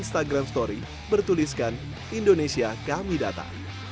dan singkat melalui instagram story bertuliskan indonesia kami datang